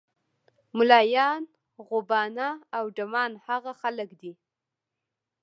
ملایان، غوبانه او ډمان هغه خلک دي.